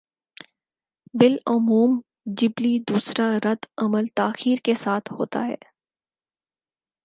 بالعموم جبلّی دوسرا رد عمل تاخیر کے ساتھ ہوتا ہے۔